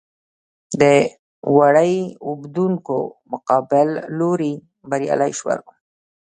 د وړۍ اوبدونکو مقابل لوری بریالي شول.